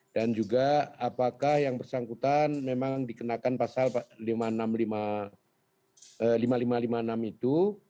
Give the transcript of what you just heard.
dan juga apakah yang bersangkutan memang dikenakan pasal lima ribu lima ratus lima puluh enam itu